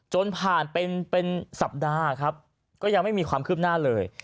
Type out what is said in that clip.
จนผ่านเป็นสัปดาห์ครับก็ยังไม่มีความคืบหน้าเลย